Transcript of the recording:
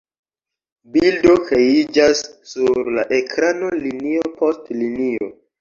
Bildo kreiĝas sur la ekrano linio post linio.